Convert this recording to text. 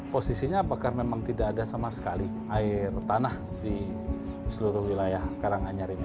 posisinya apakah memang tidak ada sama sekali air tanah di seluruh wilayah karanganyar ini